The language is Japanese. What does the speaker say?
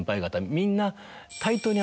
みんな。